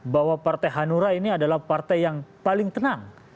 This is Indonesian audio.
bahwa partai hanura ini adalah partai yang paling tenang